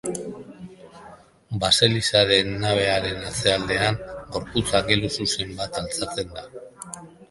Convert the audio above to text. Baselizaren nabearen atzealdean gorputz angeluzuzen bat altxatzen da.